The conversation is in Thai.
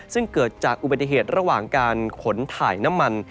ซึ่งเกิดจากอุบัติเหตุระหว่างการขนถ่ายน้ำมัน